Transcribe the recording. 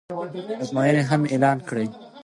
ازموینې هم اعلان کړې